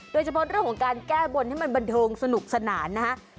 โดยเฉพาะเรื่องของการแก้บนให้มันบันเทิงสนุกสนานนะครับ